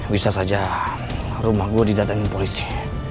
bisa saja rumah gue didatangin polisi